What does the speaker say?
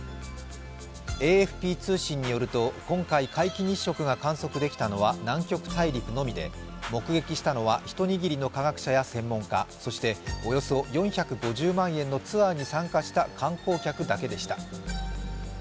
ＡＦＰ通信によると今回、皆既日食が観測できたのは南極大陸のみで目撃したのは一握りの科学者や専門家、そして、およそ４５０万円のツアーに参加した観光客だけでした。